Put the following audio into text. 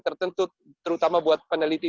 tertentu terutama buat peneliti